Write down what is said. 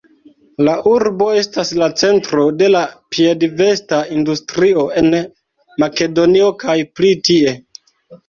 La urbo estas la centro de la piedvesta industrio en Makedonio kaj pli tie.